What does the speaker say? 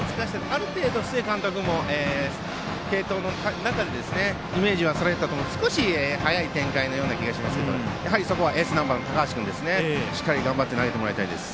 ある程度、須江監督も継投の中でイメージはされていたと思いますが少し早い展開のような気もしますがやはり、そこはエースナンバーの高橋君にしっかり頑張って投げてもらいたいです。